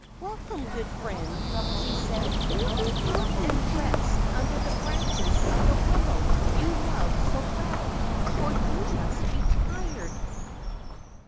' Welcome, good friend !' she said. ' Come and rest under the branches of the willow you love so well, for you must be tired.